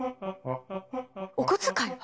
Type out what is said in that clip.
お小遣いは？